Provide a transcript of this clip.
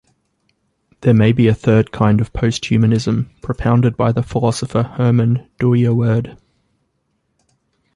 There may be a third kind of posthumanism, propounded by the philosopher Herman Dooyeweerd.